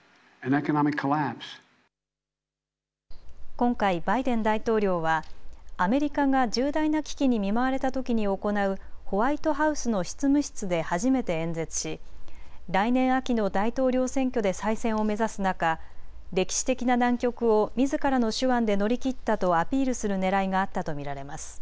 今回、バイデン大統領はアメリカが重大な危機に見舞われたときに行うホワイトハウスの執務室で初めて演説し来年秋の大統領選挙で再選を目指す中、歴史的な難局をみずからの手腕で乗り切ったとアピールするねらいがあったと見られます。